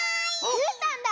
うーたんだ！